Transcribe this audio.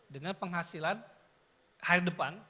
dengan penghasilan hari depan